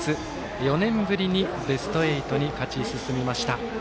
４年ぶりにベスト８に勝ち進みました。